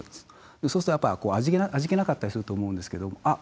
そうするとやっぱ味気なかったりすると思うんですけどあっ